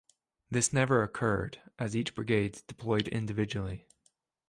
This never occurred, as each brigade deployed individually.